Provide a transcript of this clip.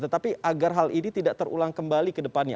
tetapi agar hal ini tidak terulang kembali ke depannya